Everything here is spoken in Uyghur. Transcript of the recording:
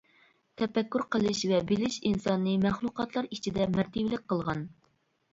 تەپەككۇر قىلىش ۋە بىلىش ئىنساننى مەخلۇقاتلار ئىچىدە مەرتىۋىلىك قىلغان.